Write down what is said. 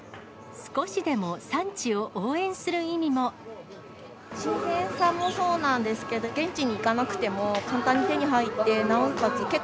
少しでも産地を応援する意味新鮮さもそうなんですけど、現地に行かなくても簡単に手に入って、なおかつ